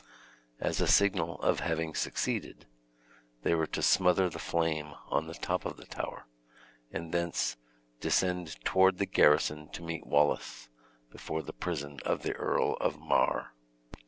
As a signal of having succeeded, they were to smother the flame on the top of the tower, and thence descend toward the garrison to meet Wallace before the prison of the Earl of Mar.